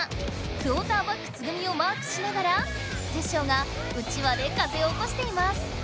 クオーターバックツグミをマークしながらテッショウがうちわで風をおこしています。